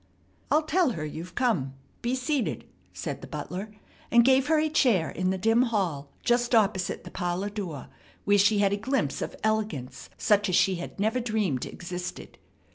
"I'll tell her you've come. Be seated," said the butler, and gave her a chair in the dim hall just opposite the parlor door, where she had a glimpse of elegance such as she had never dreamed existed.